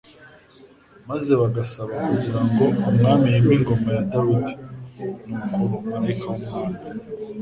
maze bagasaba kugira ngo Umwami yime ingoma ya Dawidi "Nuko Malayika w'Umwami